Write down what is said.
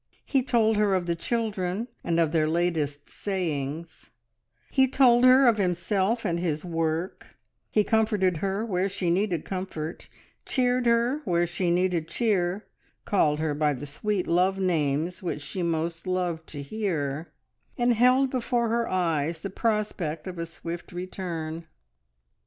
He told her of the children, and of their latest sayings; he told her of himself and his work; he comforted her, where she needed comfort, cheered her, where she needed cheer, called her by the sweet love names which she most loved to hear, and held before her eyes the prospect of a swift return.